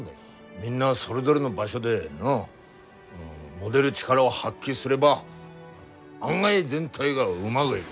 みんなそれぞれの場所で持でる力を発揮すれば案外全体がうまぐいぐ。